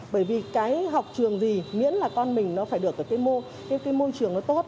bởi vì cái học trường gì miễn là con mình nó phải được ở cái môi trường nó tốt